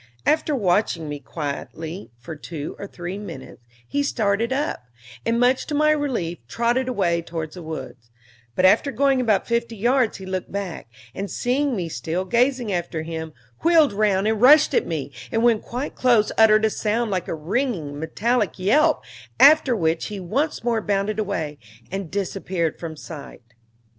After watching me quietly for two or three minutes, he started up, and, much to my relief, trotted away towards the wood; but after going about fifty yards he looked back, and seeing me still gazing after him, wheeled round and rushed at me, and when quite close uttered a sound like a ringing, metallic yelp, after which he once more bounded away, and disappeared from sight.